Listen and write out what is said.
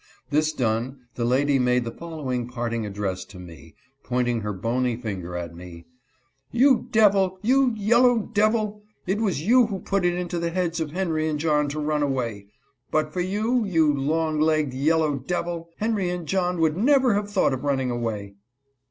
This done, the lady made the following parting address to me, pointing her bony finger at me : "You devil ! you yellow devil ! It was you who put it into the heads of Henry and John to run away. But for you, you long legged, yellow devil, Henry and John would never have thought of running away."